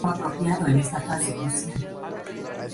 Son cantidades completamente distintas.